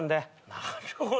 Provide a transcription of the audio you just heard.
なるほど。